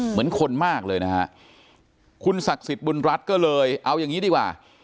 เหมือนคนมากเลยนะฮะคุณศักดิ์สิทธิ์บุญรัฐก็เลยเอาอย่างนี้ดีกว่า